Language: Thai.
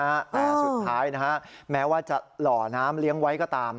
แต่สุดท้ายนะฮะแม้ว่าจะหล่อน้ำเลี้ยงไว้ก็ตาม